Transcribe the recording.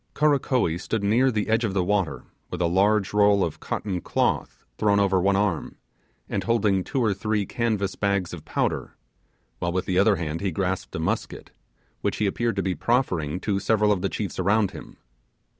Karakoee stood near the edge of the water with a large roll of cotton cloth thrown over one arm, and holding two or three canvas bags of powder, while with the other hand he grasped a musket, which he appeared to be proffering to several of the chiefs around him.